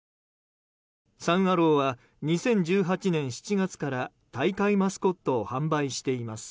サン・アローは２０１８年７月から大会マスコットを販売しています。